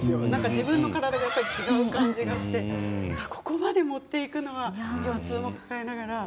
自分の体の感覚が違う感じがしてここまで持っていくのはと思いながら。